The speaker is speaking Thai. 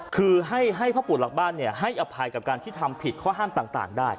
คือให้พ่อปู่หลักบ้านให้อภัยกับการที่ทำผิดข้อห้ามต่างได้